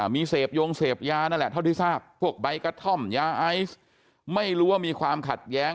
มีเสพยงเสพยานั่นแหละเท่าที่ทราบพวกใบกระท่อมยาไอซ์ไม่รู้ว่ามีความขัดแย้ง